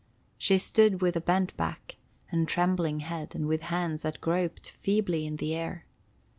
She stood with bent back and trembling head, and with hands that groped feebly in the air.